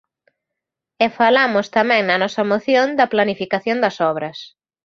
E falamos tamén na nosa moción da planificación das obras.